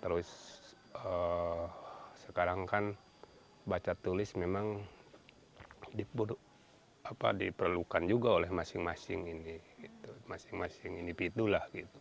terus sekarang kan baca tulis memang diperlukan juga oleh masing masing individu lah gitu